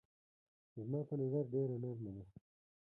زما په نظر ډېره نرمه ده.